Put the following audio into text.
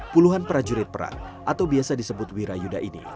puluhan prajurit perang atau biasa disebut wirayuda ini